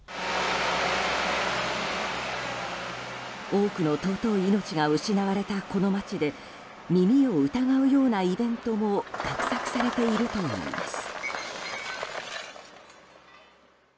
多くの尊い命が失われたこの街で耳を疑うようなイベントも画策されているといいます。